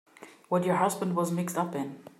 What your husband was mixed up in.